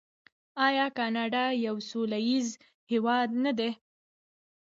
آیا کاناډا یو سوله ییز هیواد نه دی؟